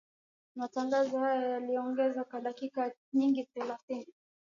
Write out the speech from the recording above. Matangazo hayo yaliongezewa dakika nyingine thelathini